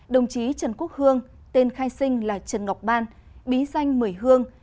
đồng chí trần quốc hương tên khai sinh là trần ngọc ban bí danh mười hương